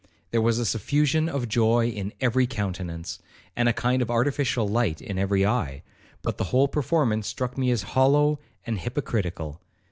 There was a suffusion of joy in every countenance, and a kind of artificial light in every eye, but the whole performance struck me as hollow and hypocritical.